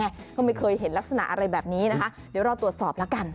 ให้เจอไม่เคยเห็นลักษณะอะไรแบบนี้นะคะเดี๋ยวให้ตรวจสอบละกัน